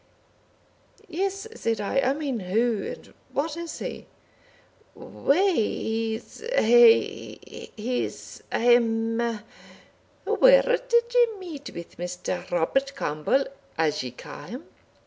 "Yes," said I, "I mean who and what is he?" "Why, he's ahay! he's ahem! Where did ye meet with Mr. Robert Campbell, as ye ca' him?"